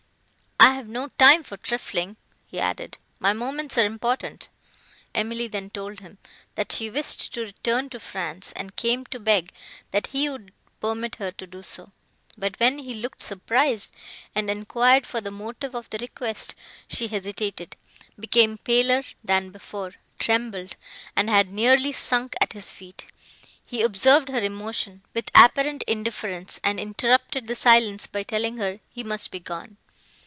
"I have no time for trifling," he added, "my moments are important." Emily then told him, that she wished to return to France, and came to beg, that he would permit her to do so.—But when he looked surprised, and enquired for the motive of the request, she hesitated, became paler than before, trembled, and had nearly sunk at his feet. He observed her emotion, with apparent indifference, and interrupted the silence by telling her, he must be gone.